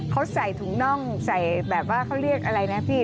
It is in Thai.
เขาใส่ถุงน่องใส่แบบว่าเขาเรียกอะไรนะพี่